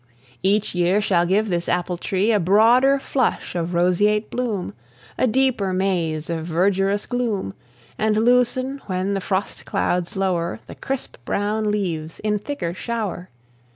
Each year shall give this apple tree A broader flush of roseate bloom, A deeper maze of verdurous gloom, And loosen, when the frost clouds lower, The crisp brown leaves in thicker shower.